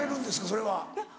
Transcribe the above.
それは。